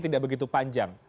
tidak begitu panjang